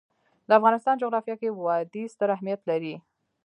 د افغانستان جغرافیه کې وادي ستر اهمیت لري.